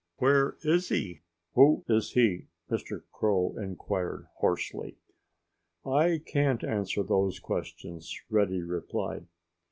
"Where is he? Who is he?" Mr. Crow inquired hoarsely. "I can't answer those questions," Reddy replied.